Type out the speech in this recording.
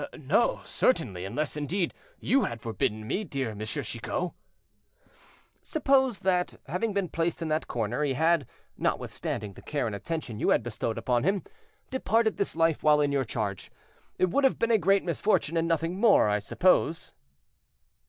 "No, certainly, unless indeed you had forbidden me, dear M. Chicot." "Suppose that, having been placed in that corner, he had, notwithstanding the care and attention you had bestowed upon him, departed this life while in your charge, it would have been a great misfortune, and nothing more, I suppose?"